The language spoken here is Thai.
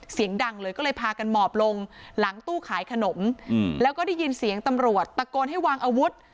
เสียงดังเลยก็เลยพากันหมอบลงหลังตู้ขายขนมแล้วก็ได้ยินเสียงตำรวจตะโกนให้วางอาวุธ